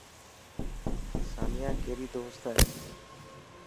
سانيا ڪيري دوست اي.